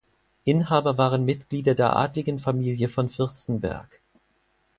Inhaber waren Mitglieder der adligen Familie von Fürstenberg.